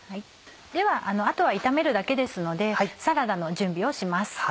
ではあとは炒めるだけですのでサラダの準備をします。